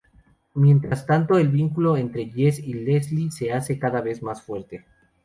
Mientras tanto, el vínculo entre Jess y Leslie se hace cada vez más fuerte.